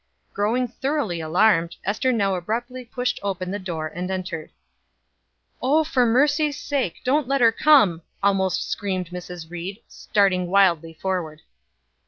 Growing thoroughly alarmed, Ester now abruptly pushed open the door and entered. "Oh, for mercy's sake, don't let her come," almost screamed Mrs. Ried, starting wildly forward.